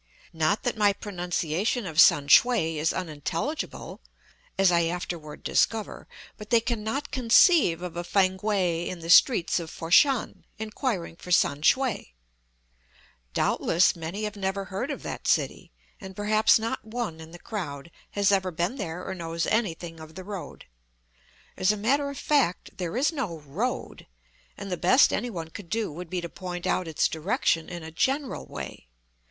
Not that my pronunciation of Sam shue is unintelligible (as I afterward discover), but they cannot conceive of a Fankwae in the streets of Fat shan inquiring for Sam shue; doubtless many have never heard of that city, and perhaps not one in the crowd has ever been there or knows anything of the road. As a matter of fact, there is no "road," and the best anyone could do would be to point out its direction in a general way.